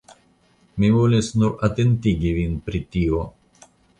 Mi volis nur atentigi vin pri tio.